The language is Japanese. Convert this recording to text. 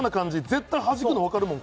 絶対はじくのわかるもん